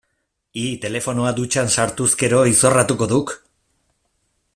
Hi, telefonoa dutxan sartuz gero, izorratuko duk.